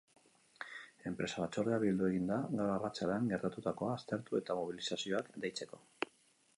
Enpresa batzordea bildu egin da gaur arratsaldean, gertatutakoa aztertu eta mobilizazioak deitzeko.